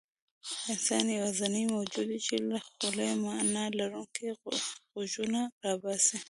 انسان یواځینی موجود دی، چې له خولې معنیلرونکي غږونه راباسي.